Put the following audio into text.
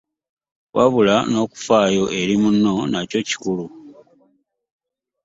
Wabula nokufaayo eri munno nakyo kikulu.